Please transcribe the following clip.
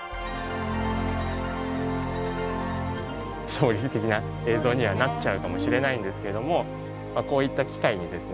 衝撃的な映像にはなっちゃうかもしれないんですけどもこういった機会にですね